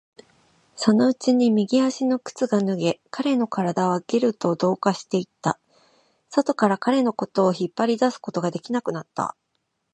そのうちに右足の靴が脱げ、彼の体はゲルと同化していった。外から彼のことを引っ張り出すことができなくなった。